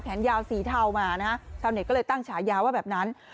ยาวสีเทามานะฮะชาวเน็ตก็เลยตั้งฉายาว่าแบบนั้น